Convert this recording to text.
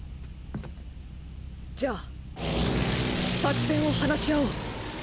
じゃあ作戦を話し合おう。